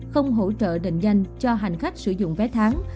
không hỗ trợ định danh cho hành khách sử dụng vé tháng